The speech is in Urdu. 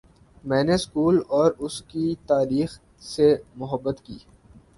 میں نے سکول اور اس کی تاریخ سے محبت کی